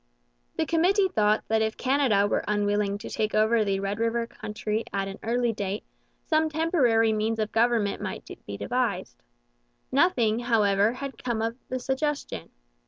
The committee thought that if Canada were unwilling to take over the Red River country at an early date some temporary means of government might be devised. Nothing, however, had come of the suggestion.